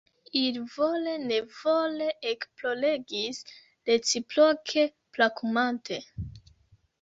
Ili vole nevole ekploregis reciproke brakumante.